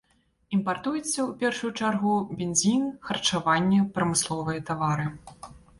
Імпартуецца ў першую чаргу, бензін, харчаванне, прамысловыя тавары.